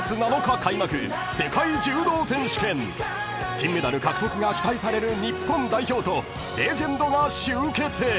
［金メダル獲得が期待される日本代表とレジェンドが集結］